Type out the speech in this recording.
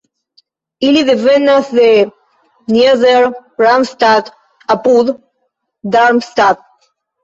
Ili devenas de Nieder-Ramstadt apud Darmstadt.